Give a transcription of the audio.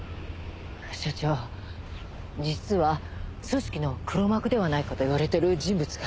署長実は組織の黒幕ではないかと言われてる人物が。